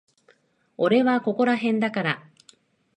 俺はここらへんだから。